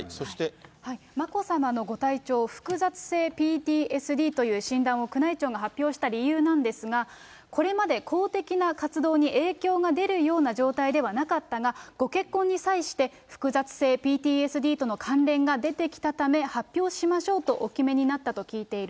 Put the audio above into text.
眞子さまのご体調、複雑性ＰＴＳＤという診断を宮内庁が発表した理由なんですが、これまで公的な活動に影響が出るような状態ではなかったが、ご結婚に際して、複雑性ＰＴＳＤとの関連が出てきたため、発表しましょうとお決めになったと聞いている。